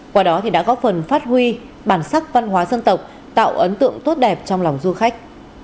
qua đó đã góp phần phát huy bản sắc văn hóa dân tộc tạo ấn tượng tốt đẹp trong lòng du khách